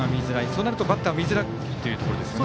そうなるとバッターも見づらいというところですよね。